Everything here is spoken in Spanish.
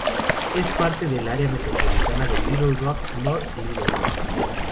Es parte del área metropolitana de Little Rock-North Little Rock.